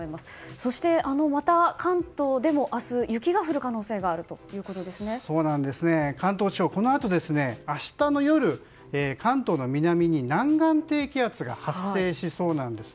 そしてまた関東でも明日雪が降る可能性がある関東地方はこのあと明日の夜、関東の南に南岸低気圧が発生しそうなんです。